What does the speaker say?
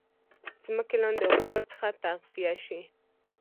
ځمکې لاندي اوبه ورڅخه تغذیه شي.